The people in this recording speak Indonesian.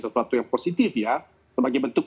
sesuatu yang positif ya sebagai bentuk